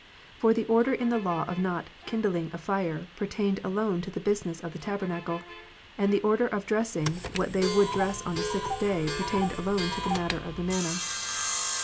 For the order in the law of not kindling a fire pertained alone to the business of the tabernacle, and that order of dressing what they would dress on the sixth day pertained alone to the matter of manna."